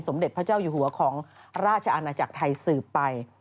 เด็จพระเจ้าอยู่หัวของราชอาณาจักรไทยสืบไป